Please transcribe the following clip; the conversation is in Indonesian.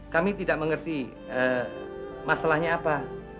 kami tidak mengerti masalahnya apa